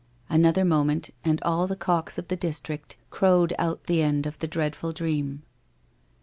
Another moment, and all the cocks of the district crowed out the end of the dreadful dream.